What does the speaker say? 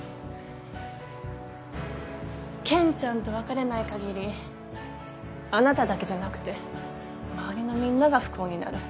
健ちゃんと別れないかぎりあなただけじゃなくて周りのみんなが不幸になる。